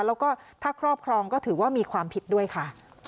แล้วก็ถ้าครอบครองก็ถือว่ามีความผิดด้วยค่ะ